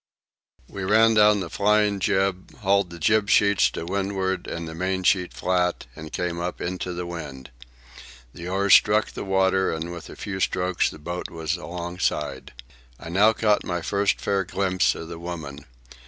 We ran down the flying jib, hauled the jib sheets to wind ward and the main sheet flat, and came up into the wind. The oars struck the water, and with a few strokes the boat was alongside. I now caught my first fair glimpse of the woman.